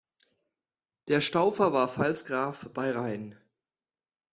Der Staufer war Pfalzgraf bei Rhein.